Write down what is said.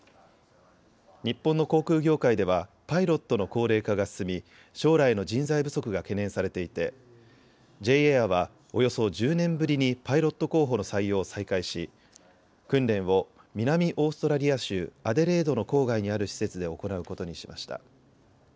日本の航空業界ではパイロットの高齢化が進み将来の人材不足が懸念されていてジェイエアはおよそ１０年ぶりにパイロット候補の採用を再開し訓練を南オーストラリア州アデレードの郊外にある施設で行うことにしました。